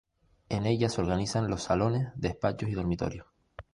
En ella se organizan los salones, despachos y dormitorios.